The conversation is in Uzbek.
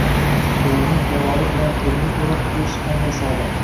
Yorning xayoli bilan dilni o‘rab qo‘yish qanday saodat!